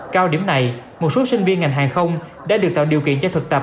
cao điểm này một số sinh viên ngành hàng không đã được tạo điều kiện cho thực tập